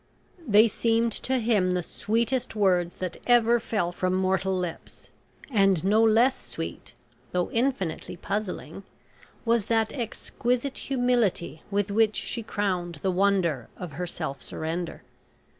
They seemed to him the sweetest words that ever fell from mortal lips, and no less sweet though infinitely puzzling was that exquisite humility with which she crowned the wonder of her self surrender.